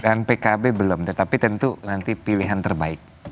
dan pkb belum tetapi tentu nanti pilihan terbaik